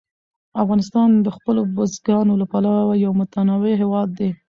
افغانستان د خپلو بزګانو له پلوه یو متنوع هېواد دی.